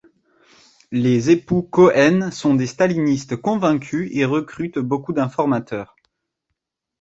Les époux Cohen sont des stalinistes convaincus et recrutent beaucoup d'informateurs.